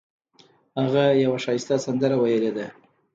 هغه یوه ښایسته سندره ویلې ده